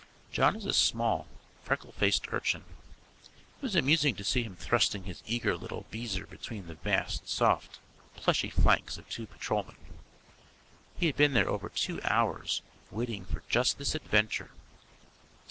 John is a small, freckle faced urchin. It was amusing to see him thrusting his eager little beezer between the vast, soft, plushy flanks of two patrolmen. He had been there over two hours waiting for just this adventure.